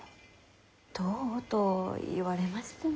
どうと言われましても。